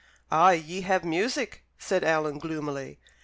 "Ay, ye have music," said Alan, gloomily.